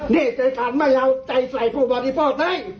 นี่แต่การไม่เอาใจใส่ผู้บริโภคให้